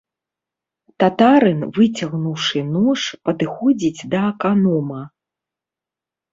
Татарын, выцягнуўшы нож, падыходзіць да аканома.